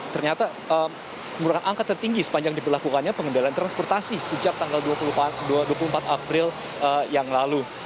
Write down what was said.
ternyata merupakan angka tertinggi sepanjang diperlakukannya pengendalian transportasi sejak tanggal dua puluh empat april yang lalu